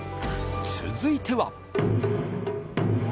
続いては。